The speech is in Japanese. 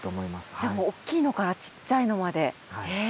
じゃあもう大きいのからちっちゃいのまでへえ。